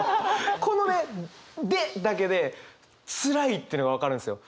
このね「で」だけでつらいっていうのが分かるんですよ。